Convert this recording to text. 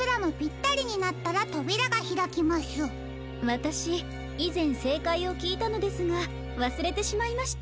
わたしいぜんせいかいをきいたのですがわすれてしまいまして。